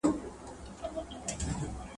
زهر مار د دواړو وچ کړله رګونه ..